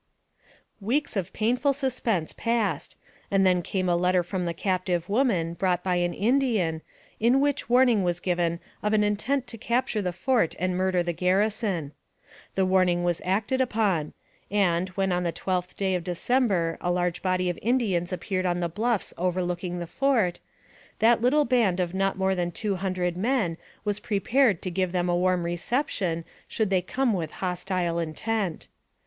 Weeks of painful suspense passed, and then came a letter from the captive woman, brought by an Indian, in which warning was given of an intent to capture the fort and murder the garrison. The warning was acted upon ; and when, on the 12th day of December, a large body of Indians appeared on the bluffs over looking the fort, that little band of not more than two hundred men was prepared to give them a warm recep tion should they come with hostile intent.